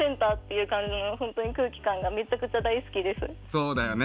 そうだよね！